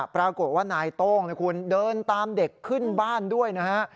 ปรากฏว่านายโต้งนะคุณเดินตามเด็กขึ้นบ้านด้วยนะฮะ